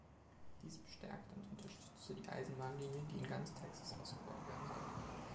Dies bestärkte und unterstützte die Eisenbahnlinien, die in ganz Texas ausgebaut werden sollten.